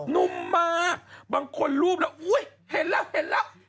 นุ่มมาบางคนรูปแล้วอุ๊ยเห็นแล้วเห็นแล้ว